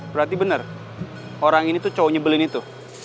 berarti benar orang ini tuh cowok nyebelin itu